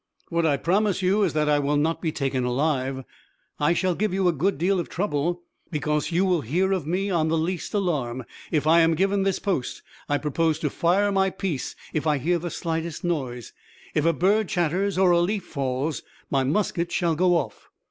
What I promise you is that I will not be taken alive. I shall give you a deal of trouble; because you will hear of me on the least alarm. If I am given this post, I propose to fire my piece if I hear the slightest noise. If a bird chatters or a leaf falls, my musket shall go off.